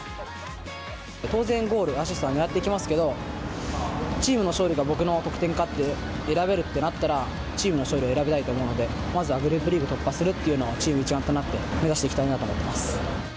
当然ゴール、アシストは狙っていきますけど、チームの勝利か僕の得点かと選べるってなったら、チームの勝利を選びたいと思うので、まずはグループリーグを突破するというのを、チーム一丸となって、目指していきたいなと思っています。